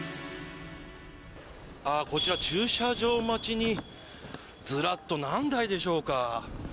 こちら駐車場待ちにズラッと何台でしょうか